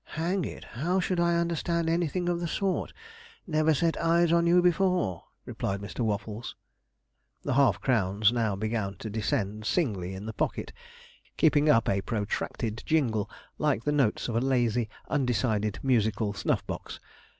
'Hang it, how should I understand anything of the sort never set eyes on you before,' replied Mr. Waffles. The half crowns now began to descend singly in the pocket, keeping up a protracted jingle, like the notes of a lazy, undecided musical snuff box.